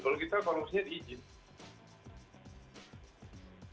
kalau kita korupsinya di ijin